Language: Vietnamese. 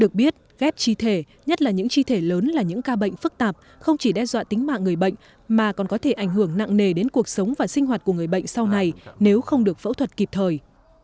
được biết ghép chi thể nhất là những chi thể lớn là những ca bệnh phức tạp không chỉ đe dọa tính mạng người bệnh mà còn có thể ảnh hưởng nặng nề đến cuộc sống và sinh hoạt của người bệnh sau này nếu không được phẫu thuật kịp thời